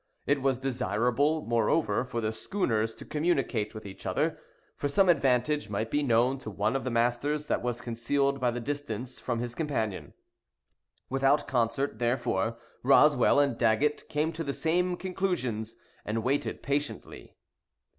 It was desirable, moreover, for the schooners to communicate with each other; for some advantage might be known to one of the masters that was concealed by distance from his companion. Without concert, therefore, Roswell and Daggett came to the same conclusions, and waited patiently.